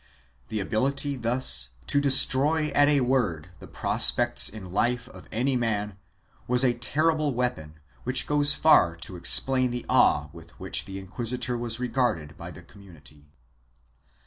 The ability thus to destroy at a word the pros pects in life of any man was a terrible weapon which goes far to explain the awe with which the inquisitor was regarded by the community.